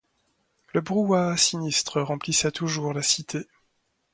Le brouhaha sinistre remplissait toujours la Cité.